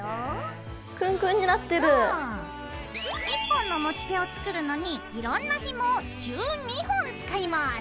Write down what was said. １本の持ち手を作るのにいろんなひもを１２本使います。